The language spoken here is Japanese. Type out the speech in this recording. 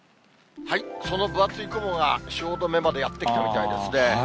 その分厚い雲が、汐留までやって来たみたいですね。